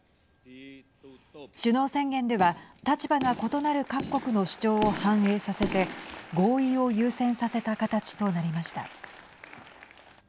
首脳宣言では立場が異なる各国の主張を反映させて合意を優先させた形となりました。